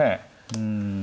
うん。